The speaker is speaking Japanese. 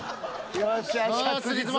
よっしゃ。